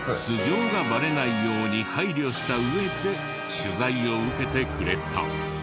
素性がバレないように配慮した上で取材を受けてくれた。